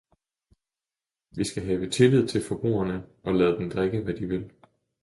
Vi skal have tillid til forbrugerne og lade dem drikke, hvad de vil.